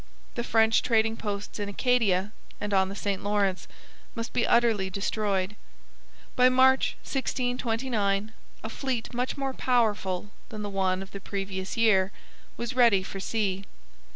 The French trading posts in Acadia and on the St Lawrence must be utterly destroyed. By March 1629 a fleet much more powerful than the one of the previous year was ready for sea.